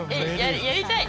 やりたい！